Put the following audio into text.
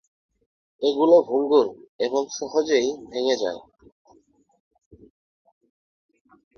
এগুলো ভঙ্গুর এবং সহজেই ভেঙে যায়।